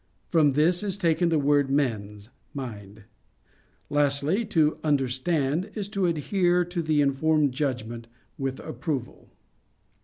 From this is taken the word "mens" [mind]. Lastly, to "understand" is to adhere to the formed judgment with approval.